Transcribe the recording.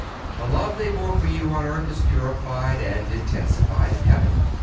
The love they bore you on earth is purified and intensified in heaven.